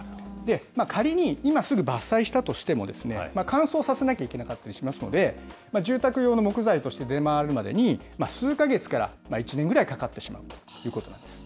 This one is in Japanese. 仮に今すぐ伐採したとしても、乾燥させなきゃいけなかったりしますので、住宅用の木材として出回るまでに、数か月から１年ぐらいかかってしまうということなんです。